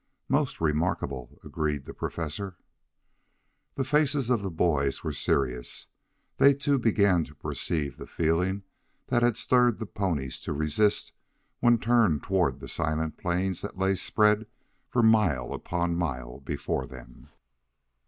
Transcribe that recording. "Most remarkable," agreed the Professor. The faces of the boys were serious. They too began to perceive the feeling that had stirred the ponies to resist when turned toward the silent plains that lay spread for mile upon mile before them.